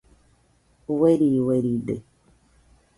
Ueri ueride